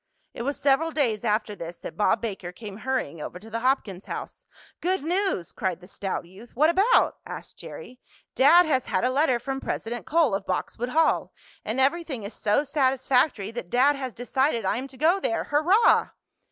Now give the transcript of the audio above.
It was several days after this that Bob Baker came hurrying over to the Hopkins house. "Good news!" cried the stout youth. "What about?" asked Jerry. "Dad has had a letter from President Cole, of Boxwood Hall, and everything is so satisfactory that dad has decided I am to go there. Hurrah!"